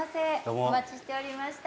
お待ちしておりました。